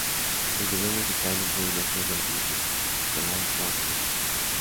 El vídeo musical incluye imágenes de la película "College Road Trip".